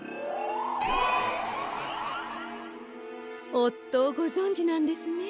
おっとをごぞんじなんですね。